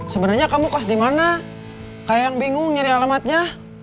sebenarnya kamu kos di mana kayak yang bingung nyari alamatnya